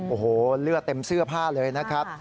โอ้โหเลือดเต็มเสื้อผ้าเลยนะครับ